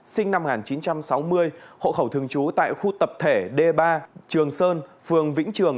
sinh năm một nghìn chín trăm sáu mươi hộ khẩu thường trú tại khu tập thể d ba trường sơn phường vĩnh trường